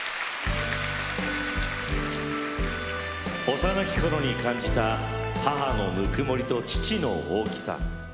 幼きころに感じた母のぬくもりと父の大きさ。